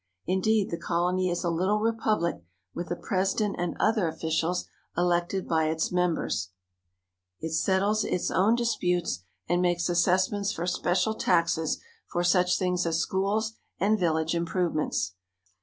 Indeed, the colony is a little republic with a president and other officials elected by its members. It settles its 175 THE HOLY LAND AND SYRIA own disputes, and makes assessments for special taxes for such things as schools and village improvements.